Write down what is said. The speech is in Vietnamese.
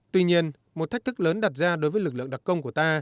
tuy nhiên một thách thức lớn đặt ra đối với lực lượng đặc công của ta